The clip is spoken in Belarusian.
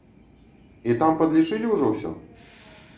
І там падлічылі ўжо ўсё?